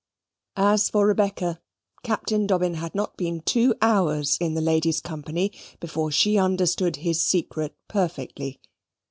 As for Rebecca, Captain Dobbin had not been two hours in the ladies' company before she understood his secret perfectly.